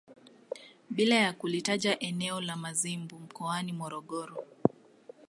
Bila ya kulitaja eneo la Mazimbu mkoani Morogoro